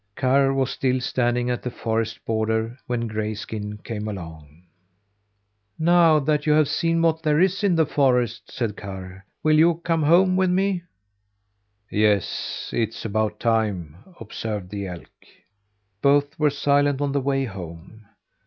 Karr was still standing at the forest border when Grayskin came along. "Now that you have seen what there is in the forest," said Karr, "will you come home with me?" "Yes, it's about time," observed the elk. Both were silent on the way home.